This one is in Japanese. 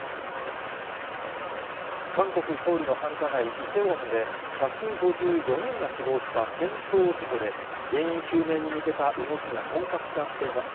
韓国・ソウルの繁華街、イテウォンで、１５４人が死亡した転倒事故で、原因究明に向けた動きが本格化しています。